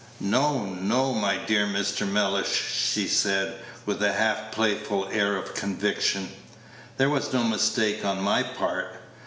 "No, no, my dear Mr. Mellish," she said, with a half playful air of conviction, "there was no mistake on my part.